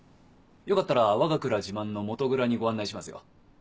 よかったらわが蔵自慢の元蔵にご案内しますよ。